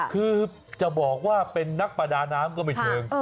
คือจะบอกว่าเป็นนักประดาน้ำก็ไม่เชิง